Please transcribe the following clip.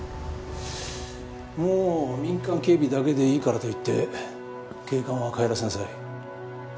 もう民間警備だけでいいからと言って警官は帰らせなさい。